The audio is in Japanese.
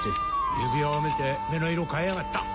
指輪を見て目の色変えやがった。